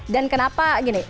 dan kenapa gini